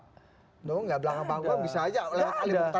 tunggu nggak belakang panggung bisa aja